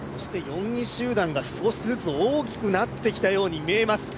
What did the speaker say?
４位集団が少しずつ大きくなってきたように見えます。